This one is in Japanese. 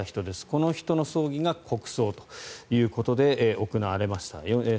この人の葬儀が国葬ということで行われました。